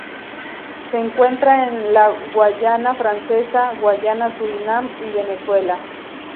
Se encuentra en la Guayana Francesa, Guayana Surinam y Venezuela.